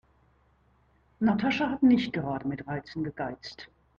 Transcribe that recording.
Natascha hat nicht gerade mit Reizen gegeizt.